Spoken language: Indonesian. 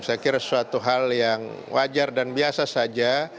saya kira suatu hal yang wajar dan biasa saja